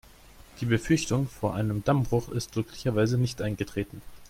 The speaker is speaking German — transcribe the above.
Die Befürchtung vor einem Dammbruch ist glücklicherweise nicht eingetreten.